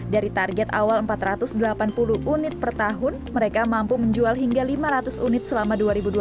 dari target awal empat ratus delapan puluh unit per tahun mereka mampu menjual hingga lima ratus unit selama dua ribu dua puluh